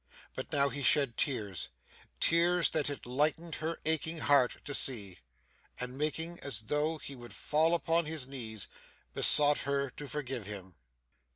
But now he shed tears tears that it lightened her aching heart to see and making as though he would fall upon his knees, besought her to forgive him.